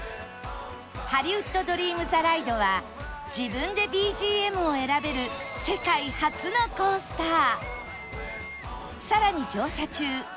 ハリウッド・ドリーム・ザ・ライドは自分で ＢＧＭ を選べる世界初のコースター